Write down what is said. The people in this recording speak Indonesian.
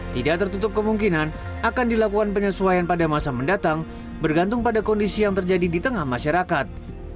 tidak tertutup kemungkinan akan dilakukan penyesuaian pada masa mendatang bergantung pada kondisi yang terjadi di tengah masyarakat